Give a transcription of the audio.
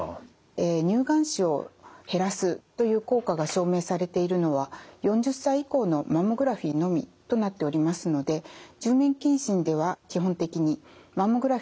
乳がん死を減らすという効果が証明されているのは４０歳以降のマンモグラフィーのみとなっておりますので住民検診では基本的にマンモグラフィー検査を行っています。